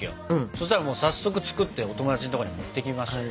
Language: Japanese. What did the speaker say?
そしたら早速作ってお友達のとこに持っていきましたよ。